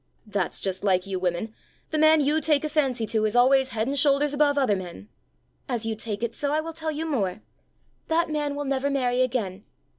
"That's just like you women! The man you take a fancy to is always head and shoulders above other men!" "As you take it so, I will tell you more: that man will never marry again!"